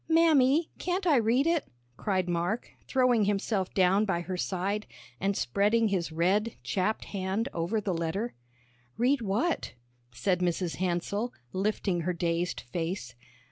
"Mammy, can't I read it?" cried Mark, throwing himself down by her side, and spreading his red, chapped hand over the letter. "Read what?" said Mrs. Hansell, lifting her dazed face.